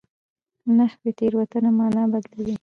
نحوي تېروتنه مانا بدلوي.